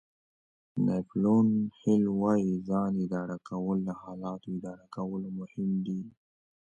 ناپیلیون هېل وایي ځان اداره کول له حالاتو اداره کولو مهم دي.